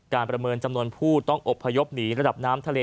ประเมินจำนวนผู้ต้องอบพยพหนีระดับน้ำทะเล